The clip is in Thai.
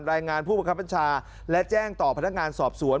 รายงานผู้บังคับบัญชาและแจ้งต่อพนักงานสอบสวน